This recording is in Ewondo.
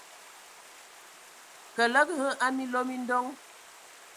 Kəlag hm a minlo mi ndoŋ !